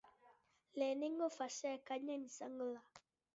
Lehenengo fasea ekainean izango da.